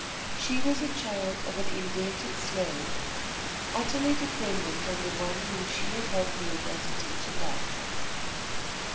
She was a child of an indented slave, utterly dependent on the one whom she had had the audacity to love.